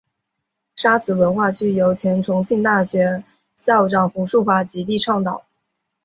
沙磁文化区由前重庆大学校长胡庶华极力倡导。